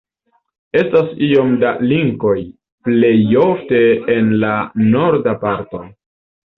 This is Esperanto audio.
Estas iom da linkoj, plejofte en la norda parto.